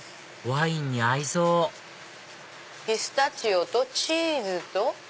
ワインに合いそうピスタチオとチーズと。